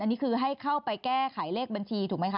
อันนี้คือให้เข้าไปแก้ไขเลขบัญชีถูกไหมคะ